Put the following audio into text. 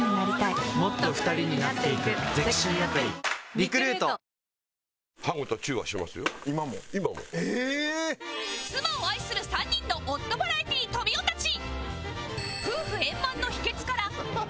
ニトリ妻を愛する３人の夫バラエティ『とみおたち』